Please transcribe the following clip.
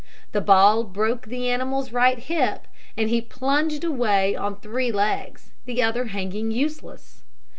The ball broke the animal's right hip, and he plunged away on three legs, the other hanging useless.